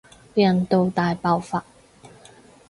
印度大爆發